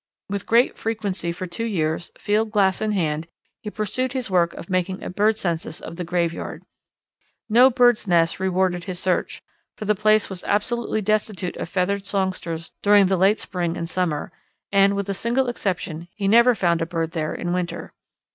With great frequency for two years, field glass in hand, he pursued his work of making a bird census of the graveyard. No bird's nest rewarded his search, for the place was absolutely destitute of feathered songsters during the late spring and summer, and, with a single exception, he never found a bird there in winter.